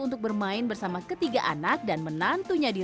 untuk bermain bersama ketiga anaknya